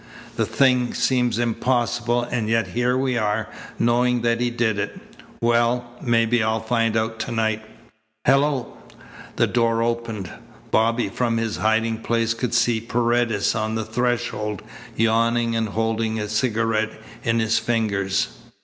The thing seems impossible, and yet here we are, knowing that he did it. Well, maybe I'll find out to night. Hello!" The door opened. Bobby from his hiding place could see Paredes on the threshold, yawning and holding a cigarette in his fingers.